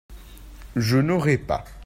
Je n'aurai pas.